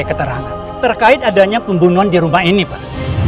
ada keterangan terkait adanya pembunuhan di rumah ini pak